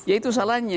ya itu salahnya